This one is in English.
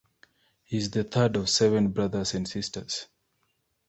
He is the third of seven brothers and sisters.